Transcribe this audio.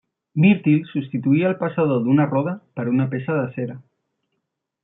Mirtil substituí el passador d'una roda per una peça de cera.